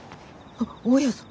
あっ大家さん。